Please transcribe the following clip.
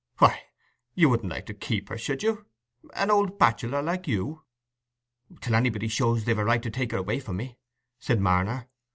"Why, you wouldn't like to keep her, should you—an old bachelor like you?" "Till anybody shows they've a right to take her away from me," said Marner.